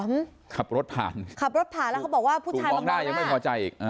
ขับรถผ่านขับรถผ่านแล้วเขาบอกว่าผู้ชายมองหน้ายังไม่พอใจอีก